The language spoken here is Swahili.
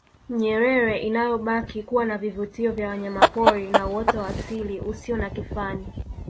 Nyerere inayobaki kuwa na vivutio vya wanyamapori na uoto wa asilia usio na kifani